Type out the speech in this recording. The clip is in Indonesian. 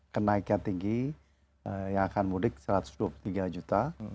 kenaikan tinggi yang akan mudik satu ratus dua puluh tiga juta